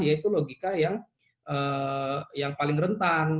yaitu logika yang paling rentan